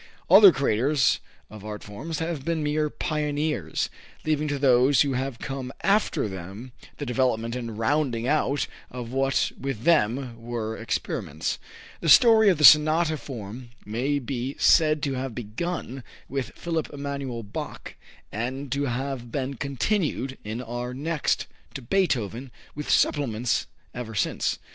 Other creators of art forms have been mere pioneers, leaving to those who have come after them the development and rounding out of what with them were experiments. The story of the sonata form may be said to have begun with Philipp Emanuel Bach and to have been "continued in our next" to Beethoven, with "supplements" ever since.